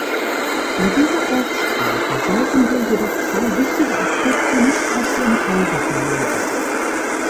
Bei dieser Aussprache sollten wir jedoch zwei wichtige Aspekte nicht aus dem Auge verlieren.